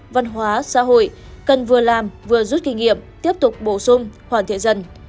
văn hóa xã hội cần vừa làm vừa rút kinh nghiệm tiếp tục bổ sung hoàn thiện dần